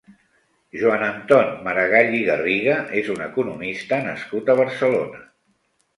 Joan Anton Maragall i Garriga és un economista nascut a Barcelona.